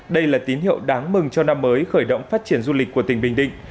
đây là tín hiệu đáng mừng cho năm mới khởi động phát triển du lịch của tỉnh bình định